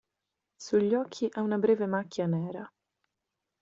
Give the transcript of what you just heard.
Sugli occhi ha una breve macchia nera.